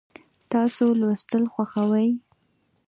تاسو لوستل خوښوئ؟